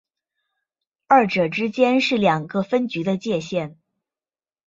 二者之间是两个分局的界线。